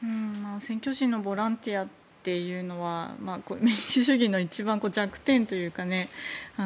選挙時のボランティアというのは民主主義の一番弱点というかね